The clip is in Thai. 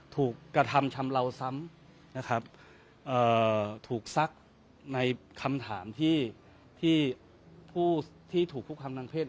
ถูกกระทำชำเลาซ้ำนะครับถูกซักในคำถามที่ผู้ที่ถูกคุกคำทางเพศ